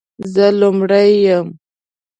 زه لومړۍ یم،